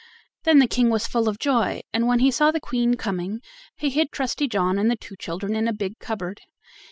Then the King was full of joy, and when he saw the Queen coming, he hid Trusty John and the two children in a big cupboard.